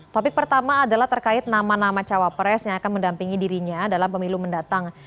topik pertama adalah terkait nama nama cawapres yang akan mendampingi dirinya dalam pemilu mendatang